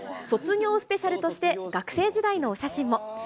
卒業スペシャルとして、学生時代のお写真も。